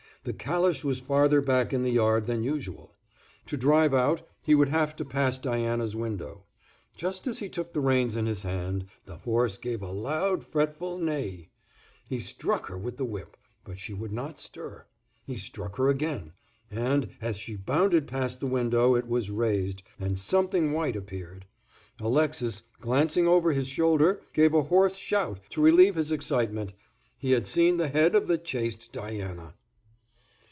The calash was farther back in the yard than usual; to drive out he would have to pass Diana's window. Just as he took the reins in his hand the horse gave a loud, fretful neigh; he struck her with the whip, but she would not stir. He struck her again, and, as she bounded past the window it was raised, and something white appeared. Alexis, glancing over his shoulder, gave a hoarse shout, to relieve his excitement; he had seen the head of the chaste Diana.